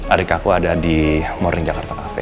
arikaku ada di morning jakarta cafe